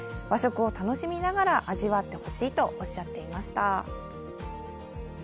和食を楽しみながら味わってほしいとおっしゃっていました。